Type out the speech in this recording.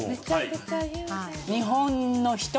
日本の人？